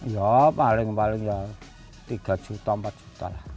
ya paling paling ya tiga juta empat juta lah